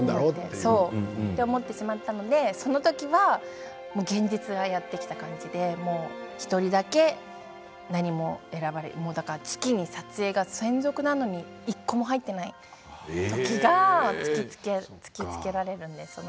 そう思ってしまっていたのでそのときはもう現実がやって来た感じで１人だけ、何も月に撮影が専属なのに１個も入っていないというときがそれで突きつけられるんですよね。